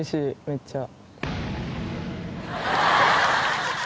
めっちゃ。